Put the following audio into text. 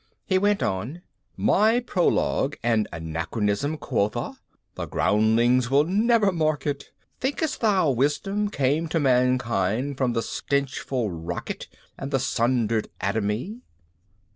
He went on, "My prologue an anachronism, quotha! The groundlings will never mark it. Think'st thou wisdom came to mankind with the stenchful rocket and the sundered atomy?